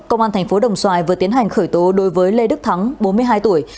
công an tp đồng xoài vừa tiến hành khởi tố đối với lê đức thắng bốn mươi hai tuổi